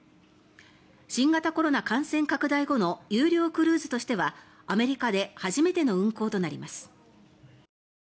新型コロナ感染拡大後の有料クルーズとしてはアメリカで初めての運航となります。